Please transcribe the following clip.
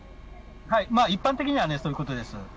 一般的にはそういうことです。